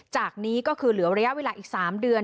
จากนี้ก็คือเหลือระยะเวลาอีก๓เดือน